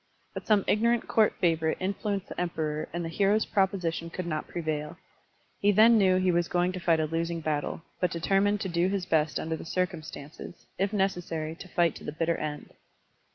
But some ignorant court favorite influenced the Emperor and the hero's proposition could not prevail. He then knew he was going to fight a losing battle, but deter mined to do his best under the circimistances, if necessary to fight to the bitter end.